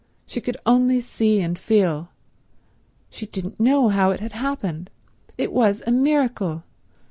She could only see and feel. She didn't know how it had happened. It was a miracle.